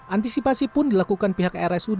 antisipasi pun dilakukan pihak rsud